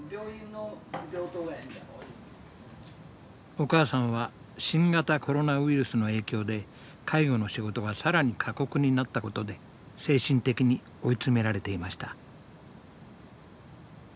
お母さんは新型コロナウイルスの影響で介護の仕事が更に過酷になったことで精神的に追い詰められていました。